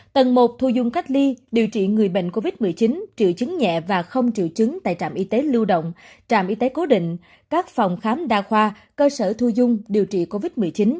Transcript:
tầng một thu dung cách ly điều trị người bệnh covid một mươi chín triệu chứng nhẹ và không triệu chứng tại trạm y tế lưu động trạm y tế cố định các phòng khám đa khoa cơ sở thu dung điều trị covid một mươi chín